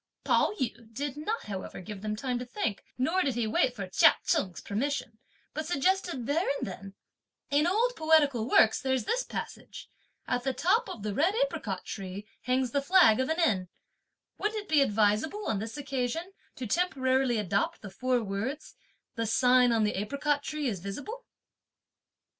Pao yü did not however give them time to think; nor did he wait for Chia Cheng's permission, but suggested there and then: "In old poetical works there's this passage: 'At the top of the red apricot tree hangs the flag of an inn,' and wouldn't it be advisable, on this occasion, to temporarily adopt the four words: 'the sign on the apricot tree is visible'?"